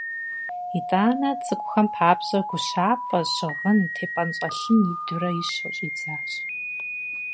ИтӀанэ цӏыкӏухэм папщӀэ гущапӏэ, щыгъын, тепӏэнщӏэлъын идурэ ищэу щӀидзащ.